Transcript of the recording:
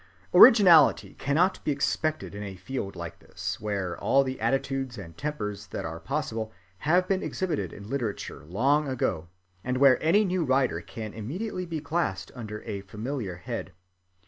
Originality cannot be expected in a field like this, where all the attitudes and tempers that are possible have been exhibited in literature long ago, and where any new writer can immediately be classed under a familiar head.